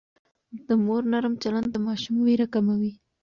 د مور نرم چلند د ماشوم وېره کموي.